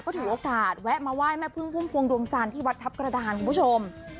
ก็ถือโอกาสแวะมาไหว่แม่ผึ้งพวงดวงจานที่วัดทับกระดานคุณผู้ชม